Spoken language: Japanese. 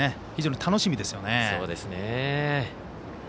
非常に楽しみですよね。